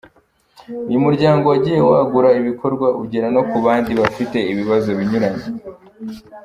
Uyu muryango wagiye wagura ibikorwa ugera no ku bandi bafite ibibazo binyuranye.